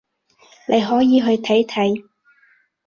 你可以去睇睇